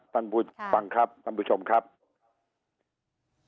ท่านผู้ชมฟังครับท่านผู้ชมครับค่ะค่ะค่ะ